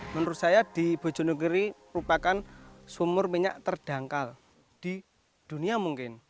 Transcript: menurut saya di bojonegiri merupakan sumur minyak terdangkal di dunia mungkin